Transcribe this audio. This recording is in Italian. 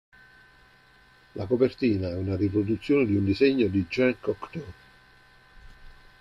La copertina è una riproduzione di un disegno di Jean Cocteau.